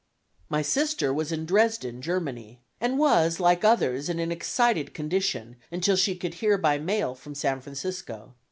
My sister was in Dresden, Germany, and was like others in an excited condition, until she could hear by mail from San Francisco.